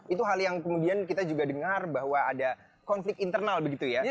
itu hal yang kemudian kita juga dengar bahwa ada konflik internal begitu ya